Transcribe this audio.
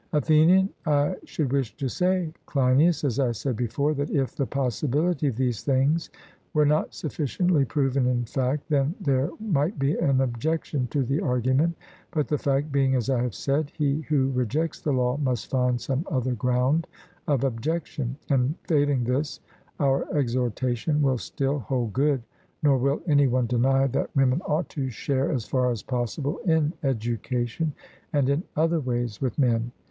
ATHENIAN: I should wish to say, Cleinias, as I said before, that if the possibility of these things were not sufficiently proven in fact, then there might be an objection to the argument, but the fact being as I have said, he who rejects the law must find some other ground of objection; and, failing this, our exhortation will still hold good, nor will any one deny that women ought to share as far as possible in education and in other ways with men.